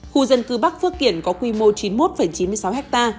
khu dân cư bắc phước kiển có quy mô chín mươi một chín mươi sáu ha